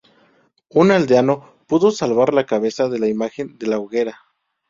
Un aldeano pudo salvar la cabeza de la imagen de la hoguera.